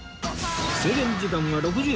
制限時間は６０秒！